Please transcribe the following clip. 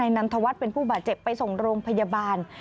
นันทวัฒน์เป็นผู้บาดเจ็บไปส่งโรงพยาบาล